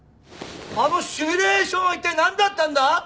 あのシミュレーションは一体なんだったんだ！？